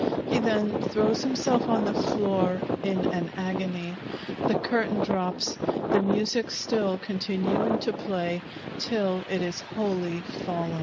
He then throws himself on the floor in an agony. The curtain drops, the music still continuing to play till it is wholly fallen.